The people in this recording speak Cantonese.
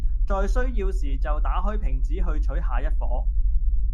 在需要時就打開瓶子去取下一夥